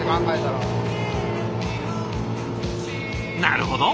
なるほど！